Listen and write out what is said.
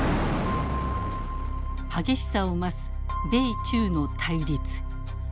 激しさを増す米中の対立。